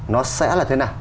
nó sẽ là thế nào